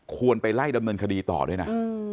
ควรไปไล่ดำเนินคดีต่อด้วยนะ